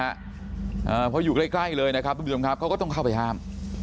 เพราะอยู่ใกล้ใกล้เลยนะครับทุกผู้ชมครับเขาก็ต้องเข้าไปห้าม